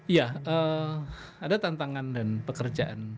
ya ada tantangan dan pekerjaan